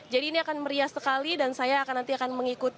jadi ini akan meriah sekali dan saya nanti akan mengikuti